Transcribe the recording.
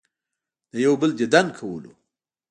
د يو بل ديدن کولو